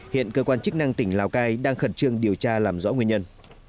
hiện cơ quan chức năng tỉnh lào cai đang khẩn trương điều tra làm rõ nguyên nhân